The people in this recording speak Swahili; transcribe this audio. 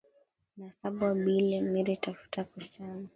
Nasabwa bile miri tafuta kusema